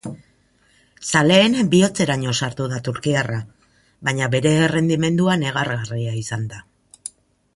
Zaleen bihotzeraino sartu da turkiarra, baina bere errendimendua negargarria izan da.